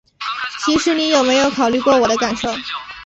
其实你有没有考虑过我的感受？